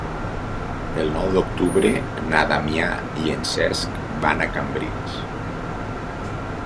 El nou d'octubre na Damià i en Cesc van a Cambrils.